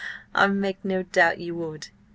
"I make no doubt you would. .